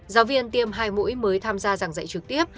giáo viên tiêm hai mũi mới tham gia giảng dạy trực tiếp